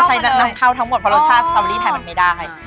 ใช้นำเข้าทั้งหมดเพราะรสชาติสตอเบอรี่ไทยมันไม่ได้